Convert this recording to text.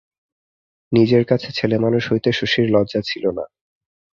নিজের কাছে ছেলেমানুষ হইতে শশীর লজ্জা ছিল না।